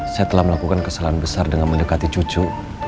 saya telah melakukan kesalahan besar dengan mendekati cucu